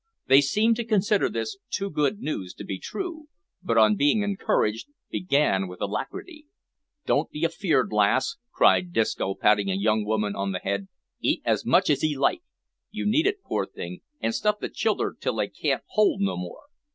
They seemed to consider this too good news to be true, but on being encouraged, began with alacrity. "Don't be afeared, lass," cried Disco, patting a young woman on the head, "eat as much as 'ee like. You need it, poor thing, an' stuff the childer till they can't hold no more.